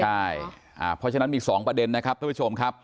เพราะฉะนั้นมี๒ประเด็นนะครับ